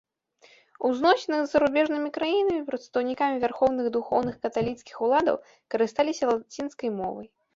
У зносінах з зарубежнымі краінамі, прадстаўнікамі вярхоўных духоўных каталіцкіх уладаў карысталіся лацінскай мовай.